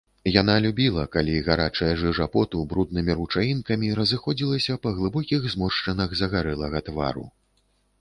Яна любіла, калі гарачая жыжа поту бруднымі ручаінкамі разыходзілася па глыбокіх зморшчынах загарэлага твару.